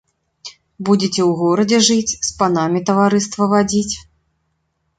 Будзеце ў горадзе жыць, з панамі таварыства вадзіць.